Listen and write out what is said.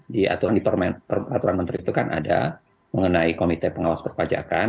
di aturan di peraturan menteri itu kan ada mengenai komite pengawas perpajakan